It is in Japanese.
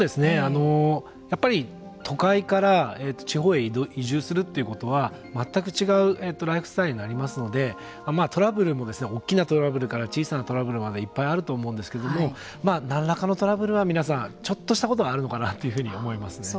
やっぱり都会から地方へ移住するということは全く違うライフスタイルになりますのでトラブルも、大きなトラブルから小さなトラブルまでいっぱいあると思うんですけれども何らかのトラブルは皆さんちょっとしたことはあるのかなというふうに思いますね。